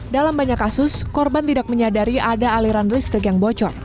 dalam banyak kasus korban tidak menyadari ada aliran listrik yang bocor